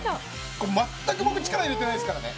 全く僕力入れてないですからね。